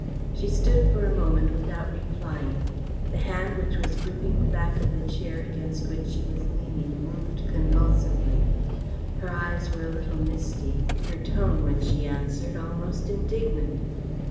She stood for a moment without replying. The hand which was gripping the back of the chair against which she was leaning moved convulsively. Her eyes were a little misty, her tone, when she answered, almost indignant.